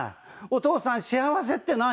「お父さん幸せって何？